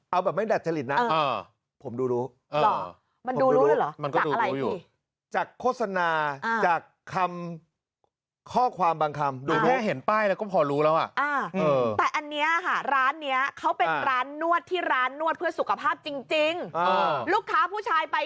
เอาแบบไม่ดัดจริงนะผมดูรู้หรอมันดูรู้เลยเหรอจากอะไรพี่